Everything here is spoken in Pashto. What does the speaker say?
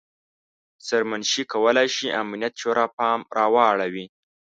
سرمنشي کولای شي امنیت شورا پام راواړوي.